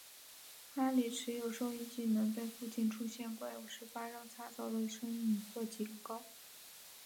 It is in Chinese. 哈利持有的收音机能在附近出现怪物时发出嘈杂的声音以作警告。